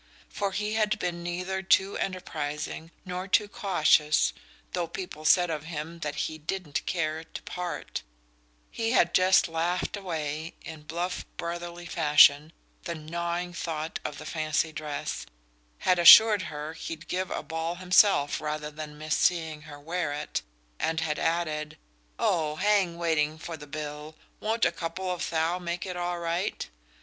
For he had been neither too enterprising nor too cautious (though people said of him that he "didn't care to part"); he had just laughed away, in bluff brotherly fashion, the gnawing thought of the fancy dress, had assured her he'd give a ball himself rather than miss seeing her wear it, and had added: "Oh, hang waiting for the bill won't a couple of thou make it all right?"